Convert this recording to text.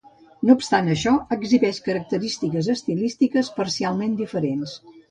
No obstant això, exhibeix característiques estilístiques parcialment diferents.